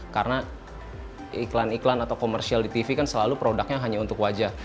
karena iklan iklan atau komersial di tv kan selalu produknya hanya untuk wajah